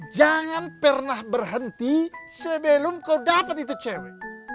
jangan pernah berhenti sebelum kau dapat itu cewek